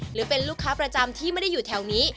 หรือเป็นลูกค้าประจำที่ไม่ได้อยู่แถวนี้